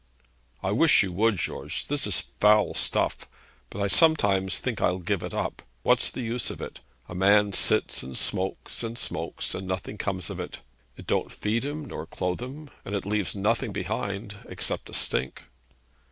'I wish you would, George. This is foul stuff. But I sometimes think I'll give it up. What's the use of it? A man sits and smokes and smokes, and nothing comes of it. It don't feed him, nor clothe him, and it leaves nothing behind, except a stink.'